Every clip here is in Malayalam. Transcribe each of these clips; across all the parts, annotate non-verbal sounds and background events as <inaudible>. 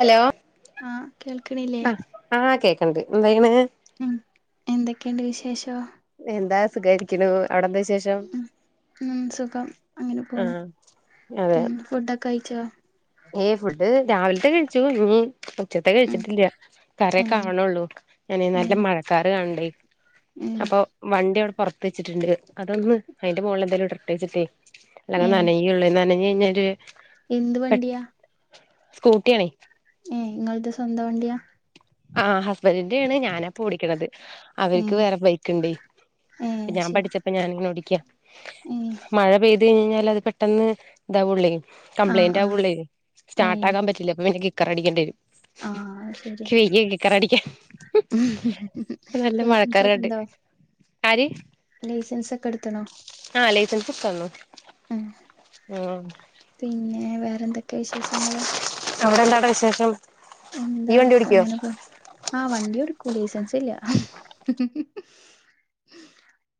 ഹലോ ആഹ് കേൾക്കണില്ലേ ആ ആ കേക്ക്ണ്ട് എന്തായ്ണ് ഉം എന്തൊക്കെണ്ട് വിശേഷം എന്താ സുഖായിരിക്കുണു ഉം ഉം സുഖം അങ്ങനെ പോണ് ആഹ് ഉം ഫുഡൊക്കഴിച്ചോ. ഏ ഫുഡ് രാവിലത്തെ കഴിച്ചു ഇഞ്ഞി ഉച്ചത്തെ ഉം കഴിച്ചിട്ടില്ല കറി ഒക്കെ ഏഹ് ആവുണുള്ളൂ ഞാനെ നല്ല ഏഹ് മഴക്കാറ് കാണ് ണ്ടേ ഏഹ് അപ്പൊ വണ്ടി അവിടെ പൊറത്ത് വെച്ചിട്ട്ണ്ട് അതൊന്ന് അയിന്റെ മോളില് എന്തെലും ഇടട്ടെച്ചിട്ടേ. അല്ലെ ഏഹ് നനയൊള്ളു നനഞ്ഞ് കഴിഞ്ഞ ഒരു എന്ത് വണ്ടിയാ. സ്കൂട്ടിയാണെ എ ഇങ്ങൾത് സ്വന്തം വണ്ടിയാ ആ ഹസ്ബന്റിന്റെണ് ഞാനാപ്പൊ ഓടിക്കണത് അവർക്ക് ഏഹ് വേറെ ബൈക്ക്ണ്ടേ ഏഹ് ഇപ്പൊ ഞാൻ ശരി പഠിച്ചപ്പോ ഞാനെന്നേ ഓടിക്ക ഏഹ് മഴ പെയ്ത് കയ്ഞാല് പെട്ടെന്ന് ഇതാവുള്ളേ ആഹ് കംപ്ലയിന്റ് ആഹ് ആവുള്ളേ ഏഹ് സ്റ്റാട്ടാക്കാൻ പറ്റില്ല അപ്പൊ പിന്നെ കി കിക്കർ അടിക്കണ്ടിവെരും <inaudible> ഇക്ക് വെയ്യേ കിക്കറ് അടിക്കാൻ നല്ല മഴക്കാറ് കണ്ട് ലൈസൻസൊക്ക്ണ്ടോ ആര് ലൈസൻസൊക്കെ എടു ത്തണം ആ ലൈസൻസ് എടുത്ത് തന്നു അ ഉം പിന്നെ ഏ വേറെ എന്തൊക്കെ വിശേഷങ്ങള് അവിടെ എന്താണ് വിശേഷം ഈ എന്താ വണ്ടി ഒക്കെ ഓടിക്കോ അങ്ങനെ പോണ് ആ വണ്ടി എട്ക്കും ലൈസെൻസ് ഇല്ല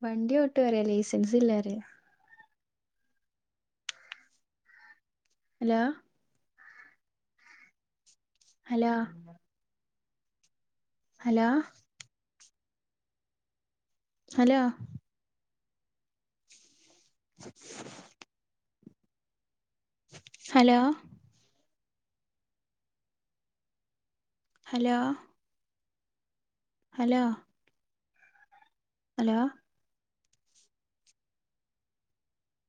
വണ്ടി ഓട്ടും റയാ ലൈസൻസില്ല റയാ hello hello hello hello <inaudible> hello hello hello hello